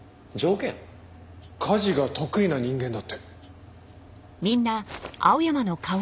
家事が得意な人間だって。